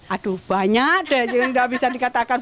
aduh banyak deh nggak bisa dikatakan